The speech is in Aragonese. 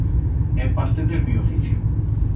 É parte d'el mío oficio.